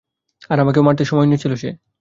আর আমাকে মারতেও সময় নিয়েছিল সে।